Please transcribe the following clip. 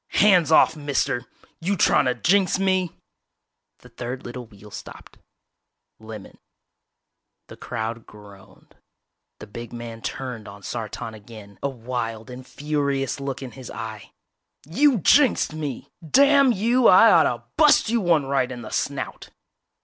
"Hands off, mister! You trying to jinx me?" The third little wheel stopped. Lemon. The crowd groaned. The big man turned on Sartan again, a wild and furious look in his eye. "You jinxed me! Damn you, I oughta' bust you one right in the snout!!"